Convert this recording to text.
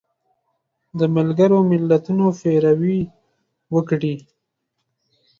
د ملګرو ملتونو پیروي وکړي